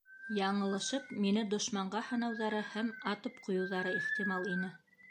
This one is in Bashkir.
Яңылышып, мине дошманға һанауҙары һәм атып ҡуйыуҙары ихтимал ине.